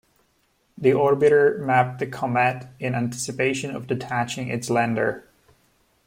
The orbiter mapped the comet in anticipation of detaching its lander.